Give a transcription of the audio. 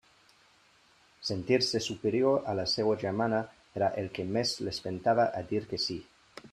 Sentir-se superior a la seua germana era el que més l'espentava a dir que sí.